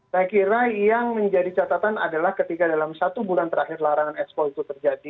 saya kira yang menjadi catatan adalah ketika dalam satu bulan terakhir larangan ekspor itu terjadi